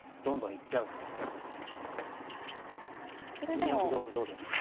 ２四歩同歩同銀。